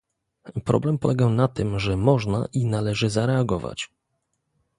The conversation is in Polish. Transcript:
Problem polegał na tym, że można i należy zareagować